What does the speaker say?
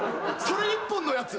それ一本のやつ？